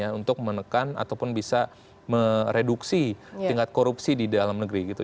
jadi itu harus konsisten ya untuk menekan ataupun bisa mereduksi tingkat korupsi di dalam negeri gitu